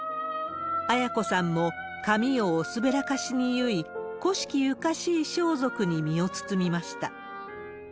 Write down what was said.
絢子さんも髪をおすべらかしに結い、古式ゆかしい装束に身を包みました。